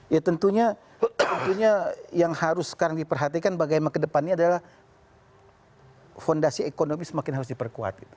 ya tentunya yang harus sekarang diperhatikan bagaimana ke depannya adalah fondasi ekonomi semakin harus diperkuat